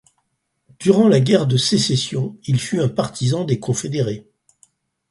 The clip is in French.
Durant la Guerre de Sécession, il fut un partisan des Confédérés.